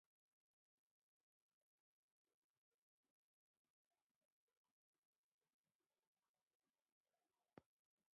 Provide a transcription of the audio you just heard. Premature varieties take lesser fertilizer.